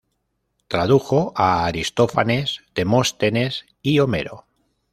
Tradujo a Aristófanes, Demóstenes y Homero.